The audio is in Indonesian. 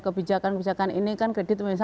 kebijakan kebijakan ini kan kredit